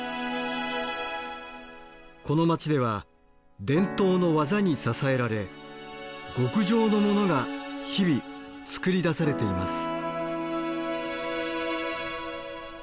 この街では伝統の技に支えられ極上のモノが日々作り出されています。